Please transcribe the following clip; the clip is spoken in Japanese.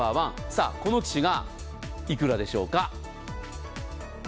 さあ、この機種が幾らでしょうか。